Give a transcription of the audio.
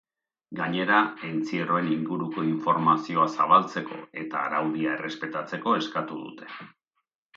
Gainera, entzierroen inguruko informazioa zabaltzeko eta araudia errespetatzeko eskatu dute.